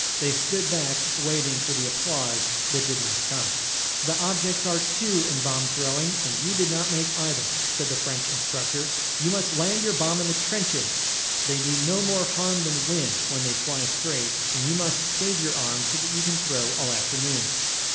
They stood back waiting for the applause that did not come. "The objects are two in bomb throwing, and you did not make either," said the French instructor. "You must land your bomb in the trenches they do no more harm than wind when they fly straight and you must save your arm so that you can throw all afternoon."